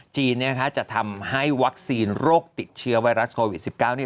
จะทำให้วัคซีนโรคติดเชื้อไวรัสโควิด๑๙